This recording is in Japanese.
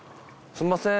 すみません。